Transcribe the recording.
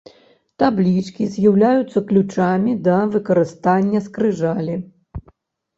Таблічкі з'яўляюцца ключамі да выкарыстання скрыжалі.